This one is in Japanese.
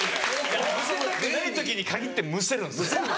むせたくない時に限ってむせるんです。